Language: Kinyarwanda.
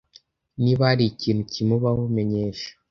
Niba hari ikintu kimubaho, menyesha.